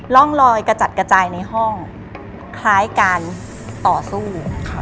ร่องลอยกระจัดกระจายในห้องคล้ายการต่อสู้